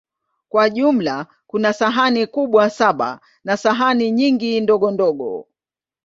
Kwa jumla, kuna sahani kubwa saba na sahani nyingi ndogondogo.